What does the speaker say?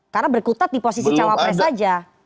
karena berkutat di posisi calon presiden saja